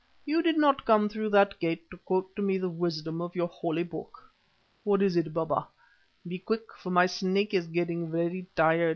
You did not come through that gate to quote to me the wisdom of your holy book. What is it, Baba? Be quick, for my Snake is getting very tired.